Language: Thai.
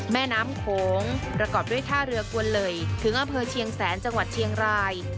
แม่น้ำโขงประกอบด้วยท่าเรือกวนเลยถึงอำเภอเชียงแสนจังหวัดเชียงราย